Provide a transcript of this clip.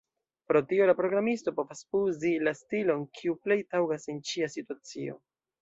Pro tio, la programisto povas uzi la stilon, kiu plej taŭgas en ĉia situacio.